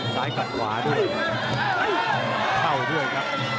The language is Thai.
ซ้ายกัดขวาด้วยเข้าด้วยครับ